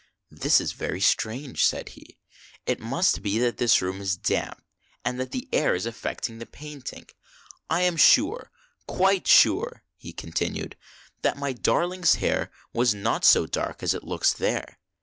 " This is very strange," said he :" it must be that this room is damp, and that the air is affecting the painting. I am sure, quite sure," he continued, "that my darling's hair was not so dark as it looks there.